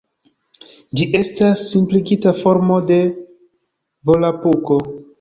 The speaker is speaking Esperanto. Ĝi estas simpligita formo de Volapuko.